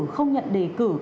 không nhận đề cử